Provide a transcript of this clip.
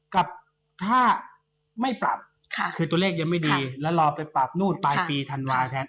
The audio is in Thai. กับถ้าไม่ปรับคือตัวเลขยังไม่ดีแล้วรอไปปรับนู่นปลายปีธันวาแทน